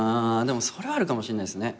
でもそれはあるかもしんないっすね。